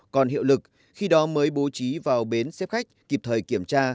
còn hiệu lực khi đó mới bố trí vào bến xếp khách kịp thời kiểm tra